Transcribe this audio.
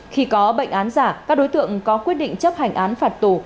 khi có bệnh án giả các đối tượng có quyết định chấp hành án phạt tù